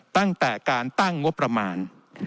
ตั้งแต่การตั้งงบประมาณ